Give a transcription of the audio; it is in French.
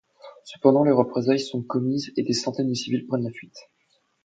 Cependant des représailles sont commises et des centaines de civils prennent la fuite.